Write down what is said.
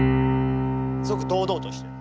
すごく堂々としてる。